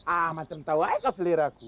ah macam tau aja keseleraku